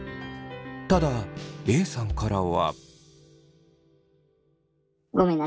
ただＡさんからは。